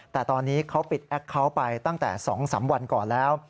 แต่ตอนนี้เขาปิดแอคเคาน์ไปตั้งแต่๒๓วันก่อนแล้ว